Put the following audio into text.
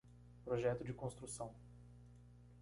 Projeto de construção